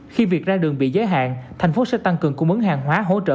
khi việc ra đường bị giới hạn thành phố sẽ tăng cường cung mứng hàng hóa hỗ trợ